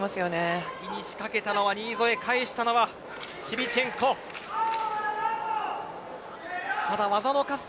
先に仕掛けたのは新添返したのはシビチェンコです。